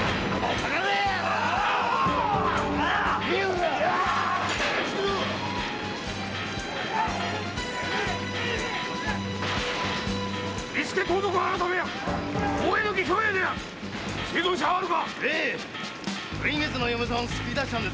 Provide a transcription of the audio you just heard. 臨月の嫁さんを救い出したんですがね